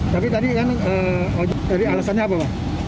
tapi tadi kan alasannya apa pak